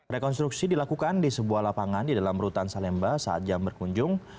rekonstruksi dilakukan di sebuah lapangan di dalam rutan salemba saat jam berkunjung